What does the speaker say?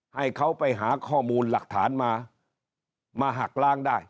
ให้เขาไปหาข้อมูลหลักฐานมามาหักล้างได้